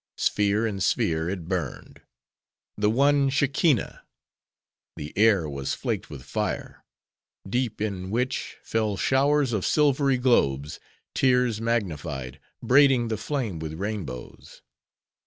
Sphere in sphere, it burned:—the one Shekinah! The air was flaked with fire;—deep in which, fell showers of silvery globes, tears magnified —braiding the flame with rainbows.